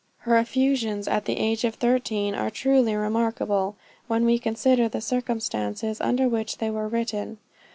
Her effusions at the age of thirteen are truly remarkable, when we consider the circumstances under which they were written.